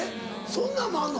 そんなんもあんの？